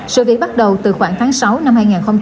sự việc bắt đầu từ khoảng tháng sáu năm hai nghìn hai mươi